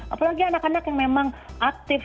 apalagi anak anak yang memang aktif